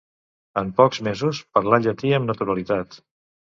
En pocs mesos, parlà llatí amb naturalitat.